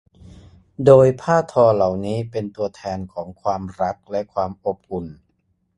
โดยผ้าทอเหล่านี้เป็นตัวแทนของความรักและความอบอุ่น